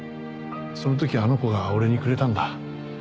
その時あの子が俺にくれたんだ。